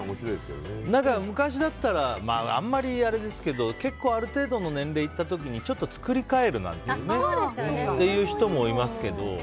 昔だったらあんまりあれですけどある程度の年齢をいった時に作り変えるという人もいますけど。